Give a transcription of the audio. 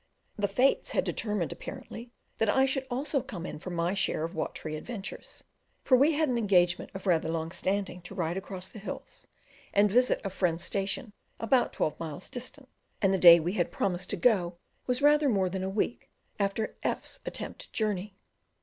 The Fates had determined, apparently, that I also should come in for my share of watery adventures, for we had an engagement of rather long standing to ride across the hills, and visit a friend's station about twelve miles distant, and the day we had promised to go was rather more than a week after F 's attempted journey.